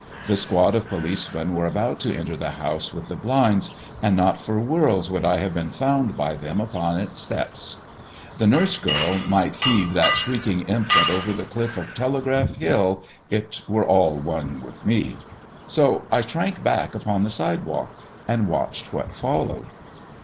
The squad of policemen were about to enter the house with the blinds, and not for worlds would I have been found by them upon its steps. The nurse girl might heave that shrieking infant over the cliff of Telegraph Hill, it were all one with me. So I shrank back upon the sidewalk and watched what followed.